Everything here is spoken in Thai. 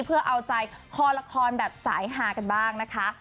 เพื่อเอาใจคอละครแบบสายฮากันบ้างนะคะ